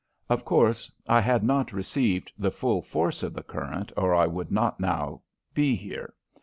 Of course, I had not received the full force of the current or I would not now be here.